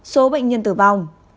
số bệnh nhân tử vong